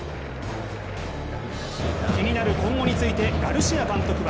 気になる今後についてガルシア監督は